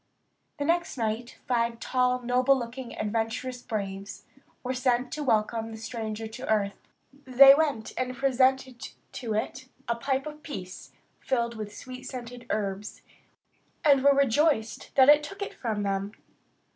The next night five tall, noble looking, adventurous braves were sent to welcome the stranger to earth. They went and presented to it a pipe of peace, filled with sweet scented herbs, and were rejoiced that it took it from them.